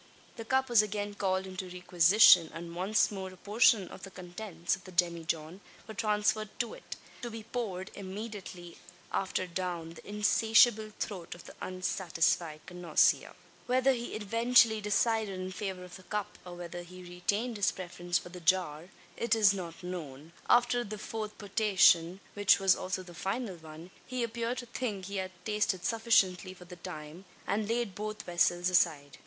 The cup was again called into requisition; and once more a portion of the contents of the demijohn were transferred to it to be poured immediately after down the insatiable throat of the unsatisfied connoisseur. Whether he eventually decided in favour of the cup, or whether he retained his preference for the jar, is not known. After the fourth potation, which was also the final one, he appeared to think he had tasted sufficiently for the time, and laid both vessels aside.